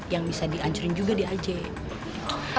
yang bisa di ancurin juga dia aja ya